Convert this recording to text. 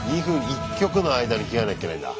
１曲の間に着替えなきゃいけないんだ。